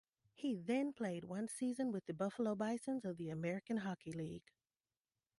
He then played one season with the Buffalo Bisons of the American Hockey League.